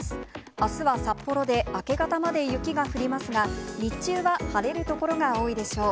あすは札幌で明け方まで雪が降りますが、日中は晴れる所が多いでしょう。